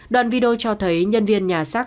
đoạn video cho thấy nhân viên nhà xác